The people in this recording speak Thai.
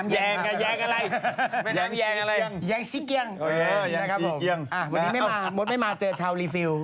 แยงอะไร